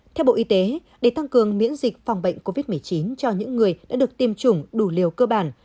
theo bộ y tế để tăng cường miễn dịch phòng bệnh covid một mươi chín cho những người đã được tiêm chủng đủ liều cơ bản